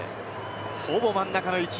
ほぼ真ん中の位置。